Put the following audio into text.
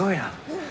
うん。